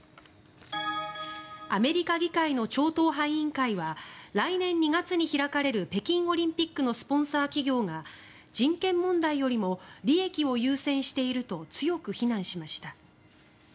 アメリカ議会の超党派委員会は来年２月に開かれる北京オリンピックのスポンサー企業が人権問題よりも利益を優先していると強く非難しました。